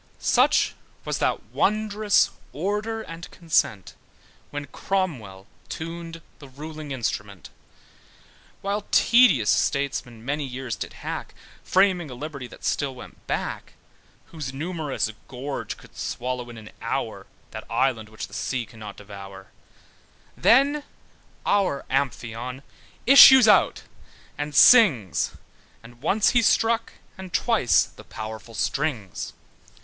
Such was that wondrous order and consent, When Cromwell tuned the ruling Instrument, While tedious statesmen many years did hack, Framing a liberty that still went back, Whose numerous gorge could swallow in an hour That island, which the sea cannot devour: Then our Amphion issued out and sings, And once he struck, and twice, the powerful strings.